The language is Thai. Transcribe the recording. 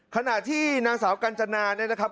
ขนาดที่นางสาวกัญจนานะครับ